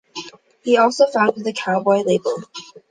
He also founded the Cowboy label.